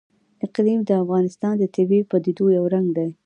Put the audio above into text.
اقلیم د افغانستان د طبیعي پدیدو یو رنګ دی.